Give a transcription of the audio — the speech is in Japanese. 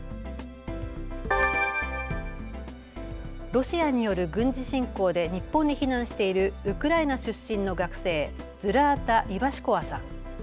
ロシアによる軍事侵攻で日本に避難しているウクライナ出身の学生、ズラータ・イヴァシコワさん。